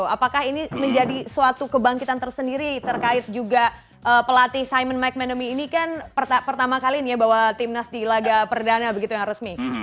apakah ini menjadi suatu kebangkitan tersendiri terkait juga pelatih simon mcmanamy ini kan pertama kali nih ya bawa timnas di laga perdana begitu yang resmi